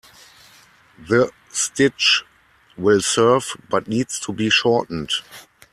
The stitch will serve but needs to be shortened.